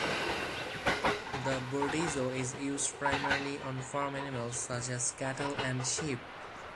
The burdizzo is used primarily on farm animals such as cattle and sheep.